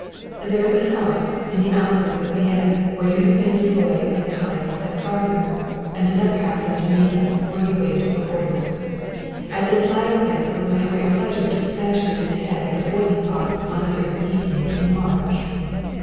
"There is a house in the outskirts of Vienna where you have been employed at times as gardener, and another house in Geneva where you wait for orders. At this latter place it was my great pleasure to smash you in the head with a boiling pot on a certain evening in March."